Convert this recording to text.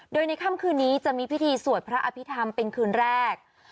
โดยในค่ำคืนนี้จะมีพิธีสวดพระอภิษฐรรมเป็นคืนแรก